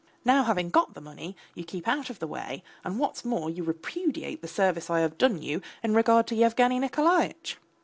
Now, having got the money, you keep out of the way, and what's more, you repudiate the service I have done you in regard to Yevgeny Nikolaitch.